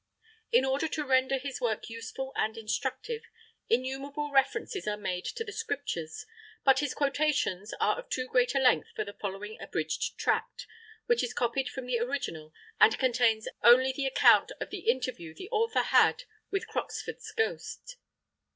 In order to render his work useful and instructive, innumerable references are made to the Scriptures, but his quotations are of too great a length for the following abridged tract, which is copied from the original and contains only the account of the interview the author had with Croxford's Ghost.